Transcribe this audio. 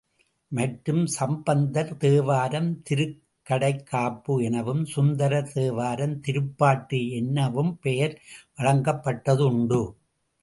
மற்றும், சம்பந்தர் தேவாரம் திருக் கடைக் காப்பு எனவும், சுந்தரர் தேவாரம் திருப்பாட்டு எனவும் பெயர் வழங்கப் பட்டதுண்டு.